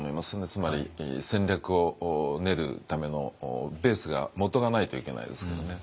つまり戦略を練るためのベースがもとがないといけないですからね。